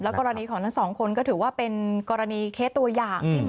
กรณีของทั้งสองคนก็ถือว่าเป็นกรณีเคสตัวอย่างที่